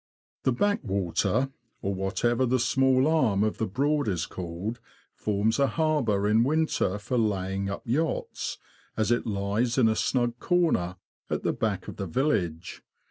The Backwater, or whatever the small arm of the Broad is called, forms a harbour in winter for laying up yachts, as it lies in a snug corner, at the back of the village.